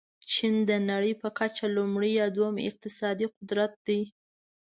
چین د نړۍ په کچه لومړی یا دوم اقتصادي قدرت دی.